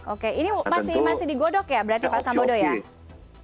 oke ini masih digodok ya berarti pak sambodo ya